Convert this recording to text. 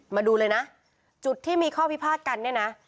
มาดูเลยนะจุดที่มีข้อพิพาทกันเนี่ยนะ